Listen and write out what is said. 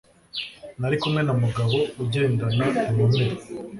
Nari kumwe na Mugabo ugendana inkomere